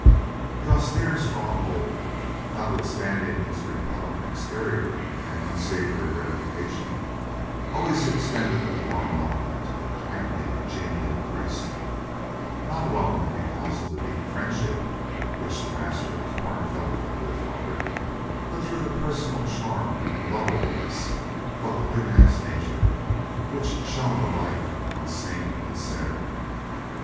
The austere stronghold, notwithstanding its repellent exterior and unsavory reputation, always extended a warm welcome to the kindly, genial priest; not alone because of the deep friendship which the master of Torn felt for the good father, but through the personal charm, and lovableness of the holy man's nature, which shone alike on saint and sinner.